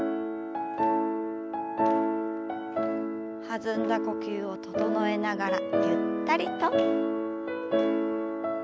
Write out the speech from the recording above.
弾んだ呼吸を整えながらゆったりと。